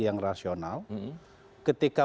yang rasional ketika